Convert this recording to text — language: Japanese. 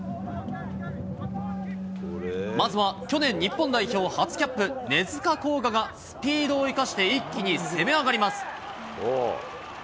まずは去年日本代表初キャップ、根塚洸雅がスピードを生かして一気に攻め上がります。